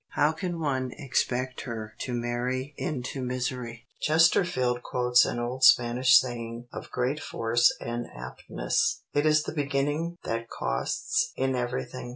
How can one expect her to marry into misery? Chesterfield quotes an old Spanish saying of great force and aptness: "It is the beginning that costs in everything.